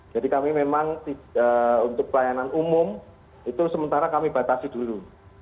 jadi kami memang untuk pelayanan umum itu sementara kami batasi dulu